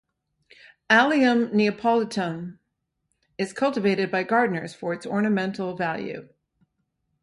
"Allium neapolitanum" is cultivated by gardeners for its ornamental value.